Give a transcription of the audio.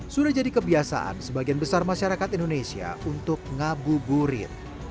sudah jadi kebiasaan sebagian besar masyarakat indonesia untuk ngabuburit